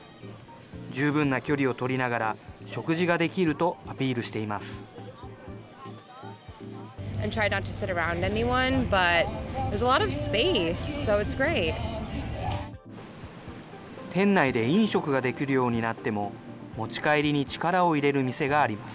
十分な距離を取りながら、食事ができるとアピールしています。